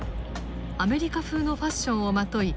アメリカ風のファッションをまとい